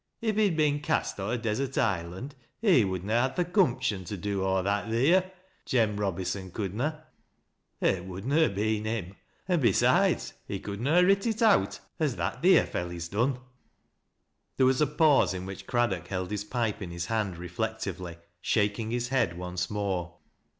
11 he'd a bin cast o' a desert island, he would na had th' gumption to do aw that theer — Jem Robyson could na It could na ha' been him — an' besides, he could na ha writ it out, as that theer felly's done." There was a pause, in which Craddock held his pipe in his hand reflectively— shaking his head once more.